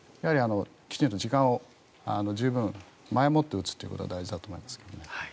きちんと時間を十分、前もって打つということが大事だと思いますけども。